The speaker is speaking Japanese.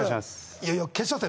いよいよ決勝戦